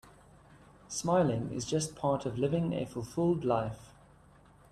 Smiling is just part of living a fulfilled life.